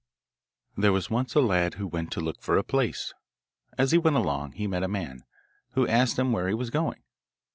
There was once a lad who went to look for a place. As he went along he met a man, who asked him where he was going.